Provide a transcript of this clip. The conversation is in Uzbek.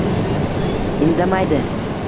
Indamaydi